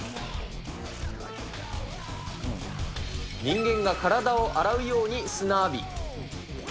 人間が体を洗うように、砂浴び。